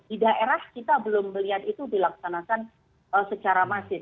di daerah kita belum melihat itu dilaksanakan secara masif